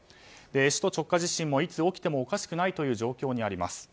首都直下地震はいつ起きてもおかしくないという状況にあります。